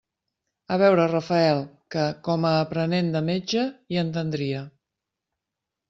A veure Rafael, que, com a aprenent de metge, hi entendria.